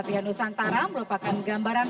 satria nusantara merupakan gambaran